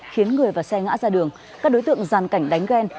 khiến người và xe ngã ra đường các đối tượng giàn cảnh đánh ghen